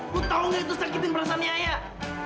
lo tau gak itu sakit yang perasanya ayah